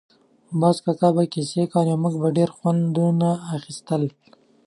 باز کاکا به کیسې کولې او موږ به پرې خوندونه اخیستل.